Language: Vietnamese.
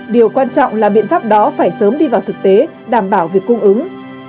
điều quan trọng là biện pháp đó phải sớm đi vào thực tế đảm bảo việc cung ứng